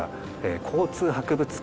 交通博物館